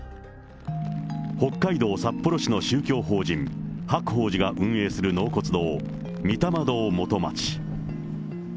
北海道札幌市の宗教法人白鳳寺が運営する納骨堂、御霊堂元町。